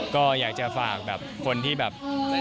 ก็อยากจะฝากแบบคนที่แบบ